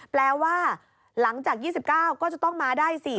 แปลว่าหลังจาก๒๙ก็จะต้องมาได้๔